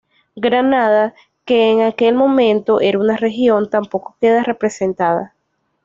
Granada, que en aquel momento era una región, tampoco queda representada.